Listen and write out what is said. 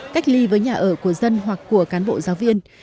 cách ly với nhà ở của dân hoặc của cán bộ giáo viên